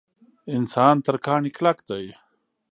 انسان تر کاڼي کلک دی.